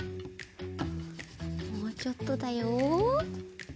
もうちょっとだよ。